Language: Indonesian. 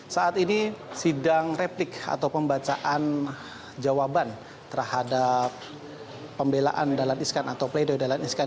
saat ini sidang replik atau pembacaan jawaban terhadap pembelaan dahlan iskan atau pleido dalan iskan